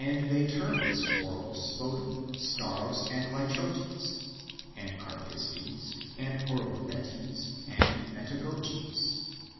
They term this Horos both Stauros and Lytrotes, and Carpistes, and Horothetes, and Metagoges.